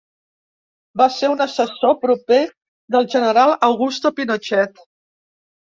Va ser un assessor proper del general Augusto Pinochet.